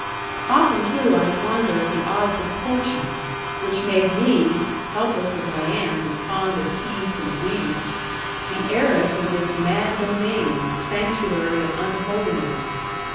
'Often too I wonder at the odds of fortune, which made me (helpless as I am, and fond of peace and reading) the heiress of this mad domain, the sanctuary of unholiness.